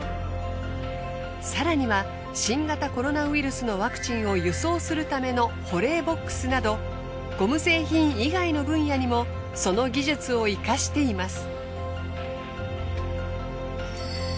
更には新型コロナウイルスのワクチンを輸送するための保冷ボックスなどゴム製品以外の分野にもその技術を生かしています。